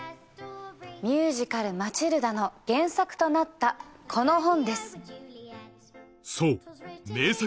ミュージカル『マチルダ』の原作となったこの本です。